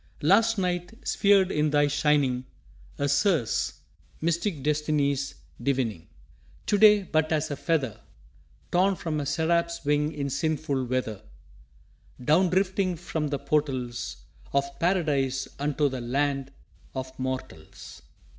Last night, sphered in thy shining, A Circe mystic destinies divining; To day but as a feather Torn from a seraph's wing in sinful weather, Down drifting from the portals Of Paradise, unto the land of mortals.